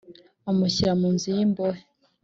amushyira mu nzu y imbohe